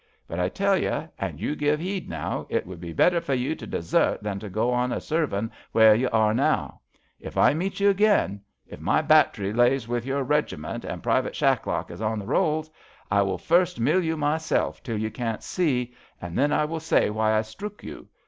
But I tell you, an' you give 'eed now, it would be better for you to desert than to go on a servin' where you are now. If I meets you again — ^if my Batt'ry lays with your Reg' ment, an' Privite Shacklock is on the rolls, I will first mill you myself till you can't see, and then I will say why I strook you.